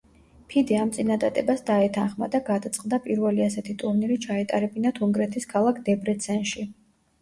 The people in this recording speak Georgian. ფიდე ამ წინადადებას დაეთანხმა და გადაწყდა პირველი ასეთი ტურნირი ჩაეტარებინათ უნგრეთის ქალაქ დებრეცენში.